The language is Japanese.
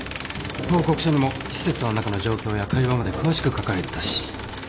報告書にも施設の中の状況や会話まで詳しく書かれてたし。